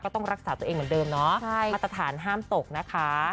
ต้องรักษาตัวเองเหมือนเดิมเนาะมาตรฐานห้ามตกนะคะ